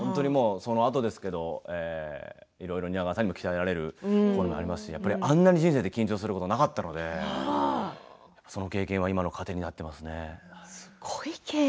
そのあとですけれどもいろいろ蜷川さんにも鍛えられるってこともありますし人生であんなに緊張したことはなかったのでその経験は今の糧になっていますね。